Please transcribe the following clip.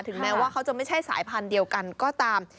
แม้ว่าเขาจะไม่ใช่สายพันธุ์เดียวกันก็ตาม